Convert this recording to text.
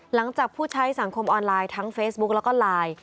หลังจากผู้ใช้สังคมออนไลน์ทั้งเฟซบุ๊กแล้วก็ไลน์